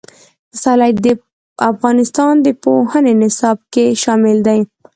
پسرلی د افغانستان د پوهنې نصاب کې شامل دي.